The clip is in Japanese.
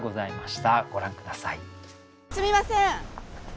すみません。